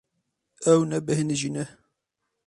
Ew nebêhnijîne.